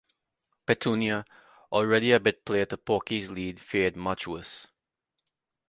Petunia, already a bit player to Porky's lead, fared much worse.